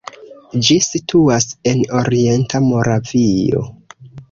Ĝi situas en orienta Moravio.